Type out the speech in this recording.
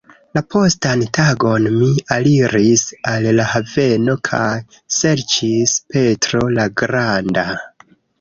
La postan tagon mi aliris al la haveno kaj serĉis "Petro la Granda".